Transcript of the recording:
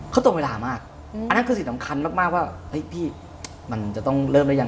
เขาตรงเวลามากอันนั้นคือสิ่งสำคัญมากว่าเฮ้ยพี่มันจะต้องเริ่มหรือยัง